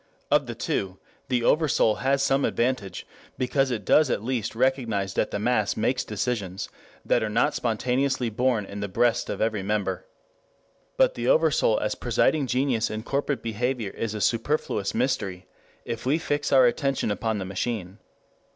Of the two the Oversoul has some advantage because it does at least recognize that the mass makes decisions that are not spontaneously born in the breast of every member. But the Oversoul as presiding genius in corporate behavior is a superfluous mystery if we fix our attention upon the machine.